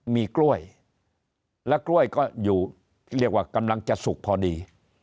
มีกล้วยและกล้วยก็อยู่เรียกว่ากำลังจะสุกพอดี